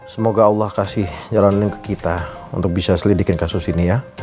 semoga allah kasih jalan link kita untuk bisa selidikan kasus ini ya